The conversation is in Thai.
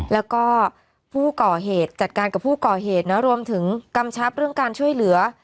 แล้วก็ผู้ก่อเหตุจัดการกับผู้ก่อเหตุนะรวมถึงกำชับเรื่องการช่วยเหลือ